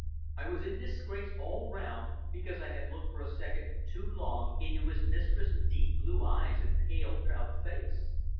I was in disgrace all round, because I had looked for a second too long into his mistress' deep blue eyes and pale, proud face.